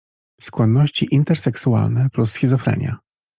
„Skłonności interseksualne plus schizofrenia.